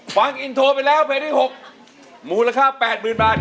ฟังอินโทรไปแล้วเพลงที่๖มูลค่า๘๐๐๐บาท